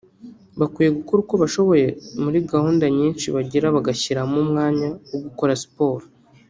bakwiye gukora uko bashoboye muri gahunda nyinshi bagira bagashyiramo n’umwanya wo gukora siporo